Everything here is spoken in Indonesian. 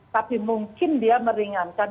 tapi mungkin dia meringankan